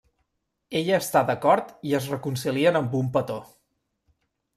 Ella està d'acord, i es reconcilien amb un petó.